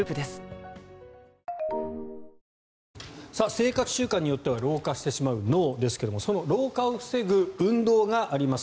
生活習慣によっては老化してしまう脳ですがその老化を防ぐ運動があります。